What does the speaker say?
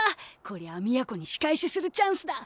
こりゃあ美弥子に仕返しするチャンスだ。